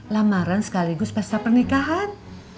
lamaran sekaligus pasca pernikahan